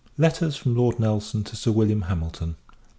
Letters FROM LORD NELSON TO SIR WILLIAM HAMILTON, K.